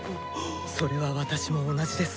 それは私も同じです。